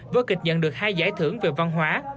vở kịch nhận được hai giải thưởng về văn hóa